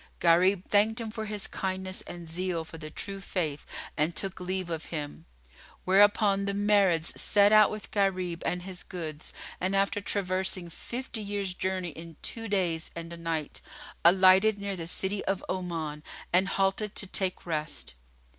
Gharib thanked him for his kindness and zeal for the True Faith and took leave of him; whereupon the Marids set out with Gharib and his goods; and, after traversing fifty years' journey in two days and a night, alighted near the city of Oman and halted to take rest.